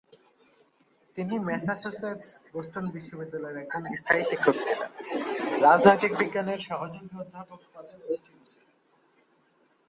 তিনি ম্যাসাচুসেটস-বোস্টন বিশ্ববিদ্যালয়ের একজন স্থায়ী শিক্ষক ছিলেন, রাজনৈতিক বিজ্ঞানের সহযোগী অধ্যাপক পদে অধিষ্ঠিত ছিলেন।